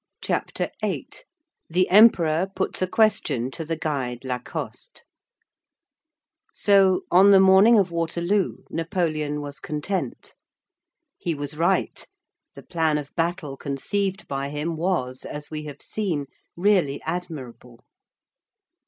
CHAPTER VIII—THE EMPEROR PUTS A QUESTION TO THE GUIDE LACOSTE So, on the morning of Waterloo, Napoleon was content. He was right; the plan of battle conceived by him was, as we have seen, really admirable.